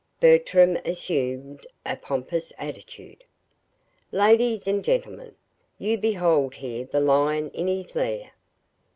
Bertram assumed a pompous attitude. "Ladies and gentlemen; you behold here the lion in his lair."